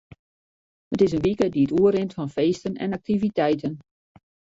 It is in wike dy't oerrint fan feesten en aktiviteiten.